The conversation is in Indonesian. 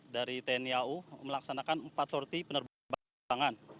dari tni au melaksanakan empat sorti penerbangan